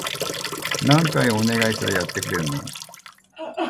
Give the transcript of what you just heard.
何回お願いしたらやってくれるの？